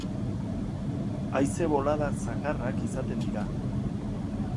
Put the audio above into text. Haize bolada zakarrak izaten dira.